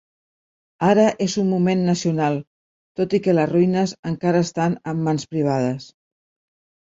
Ara, és un monument nacional, tot i que les ruïnes encara estan en mans privades.